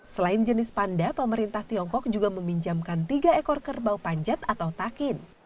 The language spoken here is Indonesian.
selain jenis panda pemerintah tiongkok juga meminjamkan tiga ekor kerbau panjat atau takin